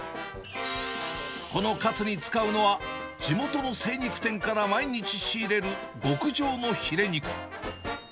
このカツに使うのは、地元の精肉店から毎日仕入れる極上のヒレ肉。